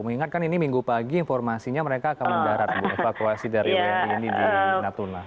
mengingatkan ini minggu pagi informasinya mereka akan mendarat evakuasi dari wni ini di natuna